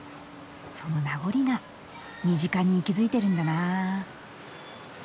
その名残が身近に息づいてるんだなあ。